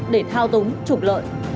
để thao túng trục lợi